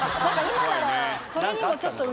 それにもちょっと。